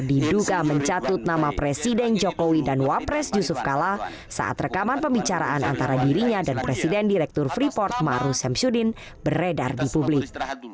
diduga mencatut nama presiden jokowi dan wapres yusuf kala saat rekaman pembicaraan antara dirinya dan presiden direktur freeport maru semsudin beredar di publik